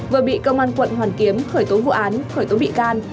vừa bị công an quận hoàn kiếm khởi tố vụ án khởi tố bị can